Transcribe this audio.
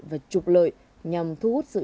và trục lợi nhằm thu hút sự